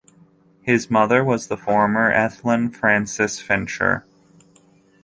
His mother was the former Ethlyn Frances Fincher.